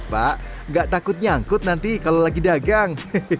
pak gak takut nyangkut nanti kalau lagi dagang